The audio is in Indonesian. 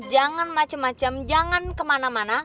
jangan macem macem jangan kemana mana